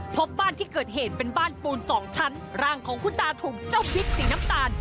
พบบ้านที่เกิดเหตุเป็นบ้านปูนสองชั้นร่างของคุณตาถูกเจ้าพริกสีน้ำตาล